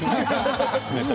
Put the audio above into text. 冷たい。